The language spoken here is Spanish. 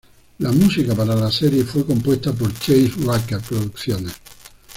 Música para la serie fue compuesta por Chase Rucker Producciones.